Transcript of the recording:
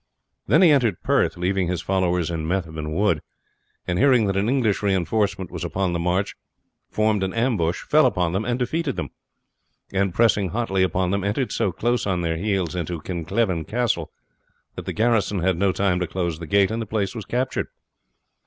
Then he entered Perth, leaving his followers in Methven Wood, and hearing that an English reinforcement was upon the march, formed an ambush, fell upon them, and defeated them; and pressing hotly upon them entered so close on their heels into Kincleven Castle, that the garrison had no time to close the gate, and the place was captured.